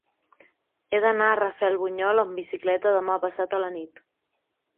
He d'anar a Rafelbunyol amb bicicleta demà passat a la nit.